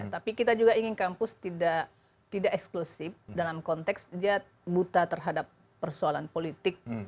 tapi kita juga ingin kampus tidak eksklusif dalam konteks dia buta terhadap persoalan politik